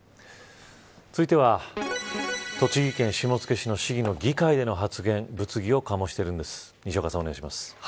続いては栃木県下野市の市議の議会での発言物議を醸しているんです。